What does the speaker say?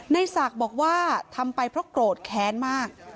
ในศักดิ์บอกว่าทำไปเพราะโกรธแค้นมาก